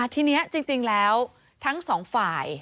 ทีนี้จริงแล้วทั้งสองฝ่าย